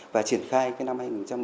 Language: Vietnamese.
và triển khai năm hai nghìn một mươi chín